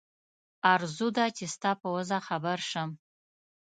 آرزو ده چې ستا په وضع خبر شم.